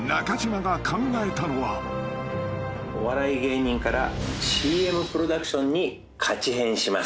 お笑い芸人からＣＭプロダクションにカチヘンします。